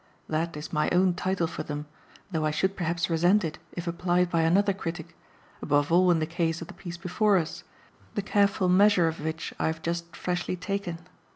That is my own title for them, though I should perhaps resent it if applied by another critic above all in the case of the piece before us, the careful measure of which I have just freshly taken.